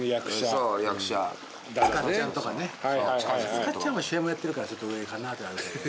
塚っちゃんは主演もやってるからちょっと上かな。